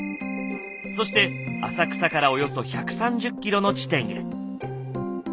そして浅草からおよそ１３０ｋｍの地点へ。